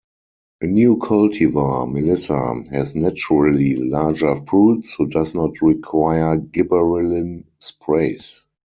A new cultivar, 'Melissa', has naturally larger fruit so does not require gibberellin sprays.